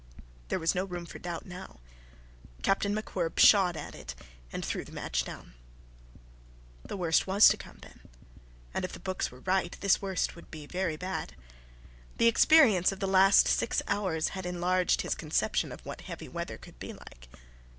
There was no room for doubt now. Captain MacWhirr pshawed at it, and threw the match down. The worst was to come, then and if the books were right this worst would be very bad. The experience of the last six hours had enlarged his conception of what heavy weather could be like.